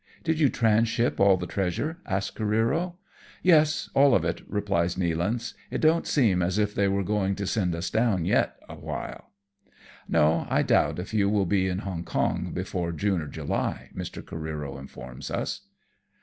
" Did you tranship all the treasure ?" asks Careero. " Yes, all of it," replies Nealance ;" it don't seem as if they were going to send us down yet awhile." SHANGHAI A GAIN. 8 1 " No, I doubt if you will be in Hoag Kong before June or July/' Mr. Careero informs us.